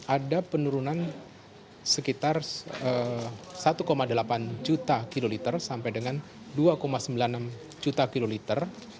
ada penurunan sekitar satu delapan juta kiloliter sampai dengan dua sembilan puluh enam juta kiloliter